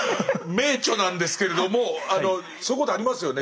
名著なんですけれどもそういうことありますよね。